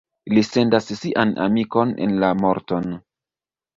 Li sendas sian amikon en la morton.